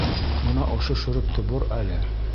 — Бына ошо шөрөптө бор әле.